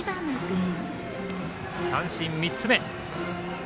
三振３つ目。